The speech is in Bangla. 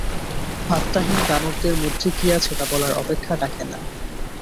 আত্মাহীন দানবদের মধ্যে কী আছে তা বলার অপেক্ষা রাখে না।